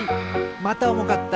またおもかった。